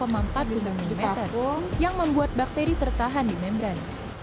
empat mm yang membuat bakteri tertahan di membran